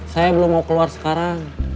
saya belum mau keluar sekarang